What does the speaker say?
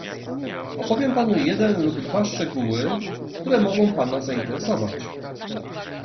"Opowiem panu jeden lub dwa szczegóły, które mogą pana zainteresować."